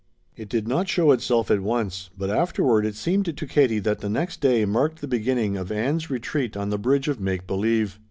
It did not show itself at once, but afterward it seemed to Katie that the next day marked the beginning of Ann's retreat on the bridge of make believe.